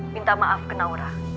minta maaf ke naura